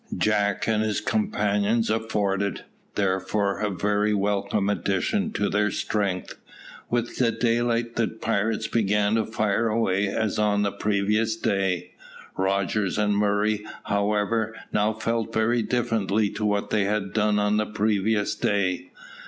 Jack and his companions afforded, therefore, a very welcome addition to their strength. With daylight the pirates began to fire away as on the previous day. Rogers and Murray, however, now felt very differently to what they had done on the previous day.